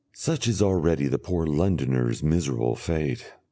Such is already the poor Londoner's miserable fate....